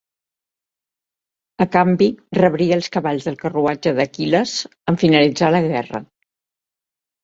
A canvi rebria els cavalls del carruatge d'Aquil·les en finalitzar la guerra.